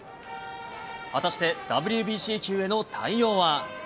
果たしてＷＢＣ球への対応は。